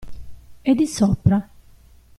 È di sopra?